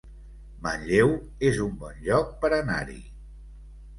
Manlleu es un bon lloc per anar-hi